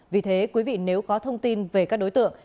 vì thế quý vị nếu có thông tin về các đối tượng